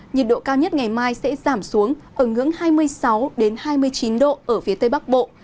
nhiệt độ cao nhất ngày mai sẽ giảm xuống ở ngưỡng hai mươi sáu hai mươi chín độ ở phía tây bắc bộ